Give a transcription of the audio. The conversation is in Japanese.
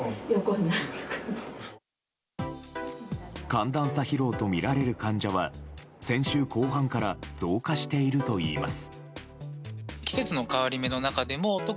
寒暖差疲労とみられる患者は先週後半から増加しているといいます。